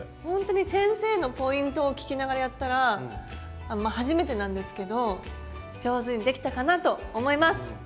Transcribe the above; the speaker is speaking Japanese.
ほんとに先生のポイントを聞きながらやったら初めてなんですけど上手にできたかなと思います。